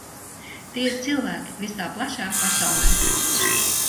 Tie ir cilvēki visā plašā pasaulē.